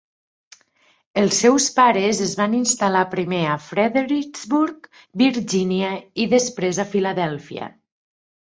Els seus pares es van instal·lar primer a Fredericksburg, Virgínia, i després a Filadèlfia.